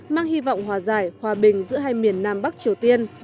mang hy vọng hòa giải hòa bình giữa hai miền nam bắc triều tiên